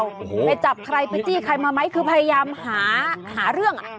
ไปจับใครไปจี้ใครมาไหมคือพยายามหาเรื่องอ่ะ